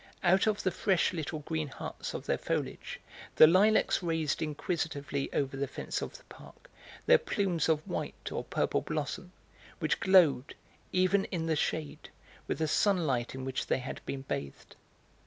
Out of the fresh little green hearts of their foliage the lilacs raised inquisitively over the fence of the park their plumes of white or purple blossom, which glowed, even in the shade, with the sunlight in which they had been bathed.